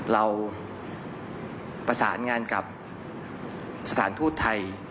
เราประสานงานกับสถานทูตไทย